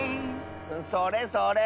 それそれ。